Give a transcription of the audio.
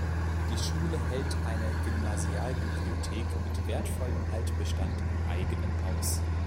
Die Schule hält eine Gymnasialbibliothek mit wertvollem Altbestand im eigenen Haus.